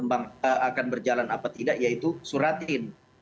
akan berjalan apa tidak yaitu suratin